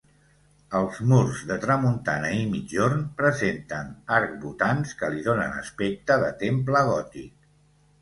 Als murs de tramuntana i migjorn presenta arcbotants que li donen aspecte de temple gòtic.